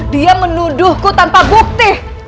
dia menuduhku tanpa bukti